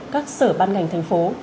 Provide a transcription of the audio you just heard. các sở ban ngành thành phố